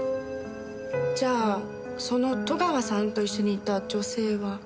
じゃあその戸川さんと一緒にいた女性は。